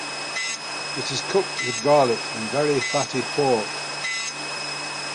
It is cooked with garlic and very fatty pork.